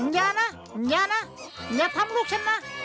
อย่านะอย่านะอย่าทำลูกฉันนะ